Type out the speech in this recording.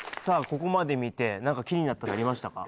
ここまで見て何か気になったのありましたか？